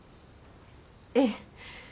ええ。